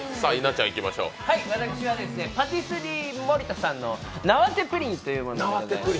私はパティスリーモリタさんの畷プリンというものです。